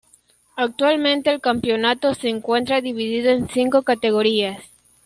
Actualmente el campeonato se encuentra dividido en cinco categorías.